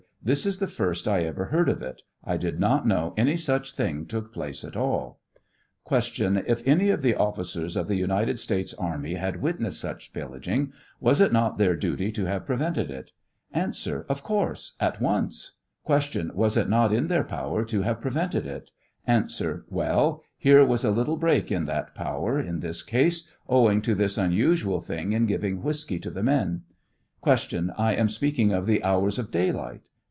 This is the first I ever heard of it ; I did not know any such thing took place at all. Q, If any of the oflScers of the United States army had witnessed such pillaging, was it not their duty to have prevented it ? A. Of course ; at once. Q, Was it not in their power to have prevented it ? A. Well, here was a little break in that power, in this ease, owing to this unusual thing in giving whiskey to the men. Q. I am speaking of the hours of daylight